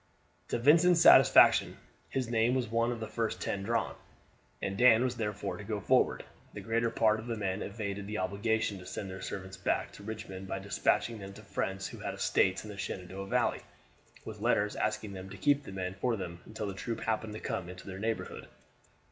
To Vincent's satisfaction his name was one of the first ten drawn, and Dan was therefore to go forward. The greater part of the men evaded the obligation to send their servants back to Richmond by despatching them to friends who had estates in the Shenandoah Valley, with letters asking them to keep the men for them until the troop happened to come into their neighborhood.